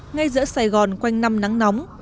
ngay giữa sài gòn quanh năm nắng nóng